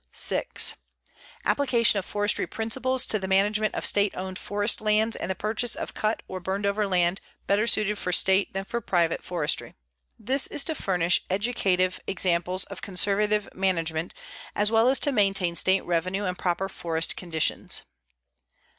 6. Application of forestry principles to the management of state owned forest lands and the purchase of cut or burned over land better suited for state than for private forestry. This is to furnish educative examples of conservative management as well as to maintain state revenue and proper forest conditions.